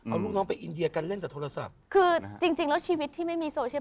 เอาลูกน้องไปอินเดียกันเล่นจากโทรศัพท์คือจริงจริงแล้วชีวิตที่ไม่มีโซเชียล